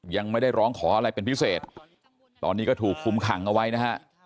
ยังไม่ได้ร้องขออะไรเป็นพิเศษตอนนี้ก็ถูกคุมขังเอาไว้นะฮะ